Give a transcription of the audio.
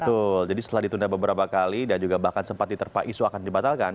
betul jadi setelah ditunda beberapa kali dan juga bahkan sempat diterpa isu akan dibatalkan